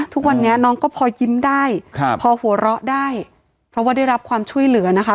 ทุกวันนี้น้องก็พอยิ้มได้ครับพอหัวเราะได้เพราะว่าได้รับความช่วยเหลือนะคะ